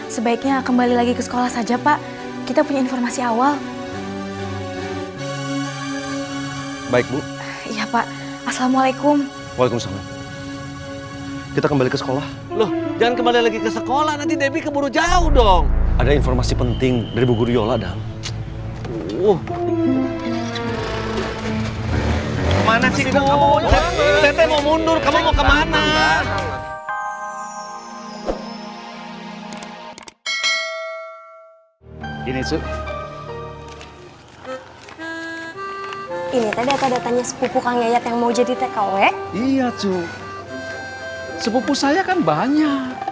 sampai jumpa di video selanjutnya